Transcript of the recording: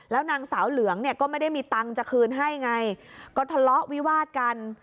แล้วนางสาวเหลืองเนี่ยก็ไม่ได้มีตังค์จะคืนให้ไงก็ทะเลาะวิวาดกัน